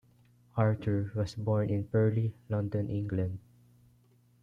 Arthur was born in Purley, London, England.